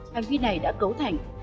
hành vi này đã cấu thành